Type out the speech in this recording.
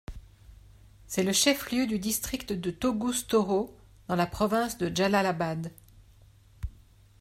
C'est le chef-lieu du district de Toguz-Toro, dans la province de Jalal-Abad.